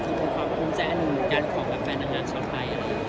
คุณความคุ้มแจ้งกันกับแฟนอาหารชาวไทย